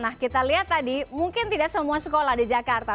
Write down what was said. nah kita lihat tadi mungkin tidak semua sekolah di jakarta